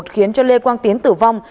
khiến cho lê quang tiến tử vong